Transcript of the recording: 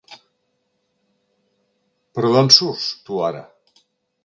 Però d'on surts, tu, ara?